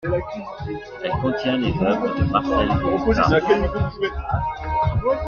Elle contient les œuvres de Marcel Broodthaers.